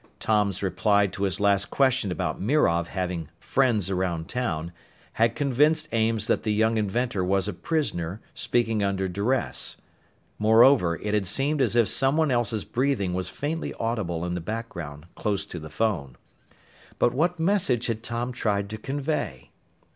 Tom's reply to his last question about Mirov having "friends around town" had convinced Ames that the young inventor was a prisoner, speaking under duress. Moreover, it had seemed as if someone else's breathing was faintly audible in the background, close to the phone. _But what message had Tom tried to convey?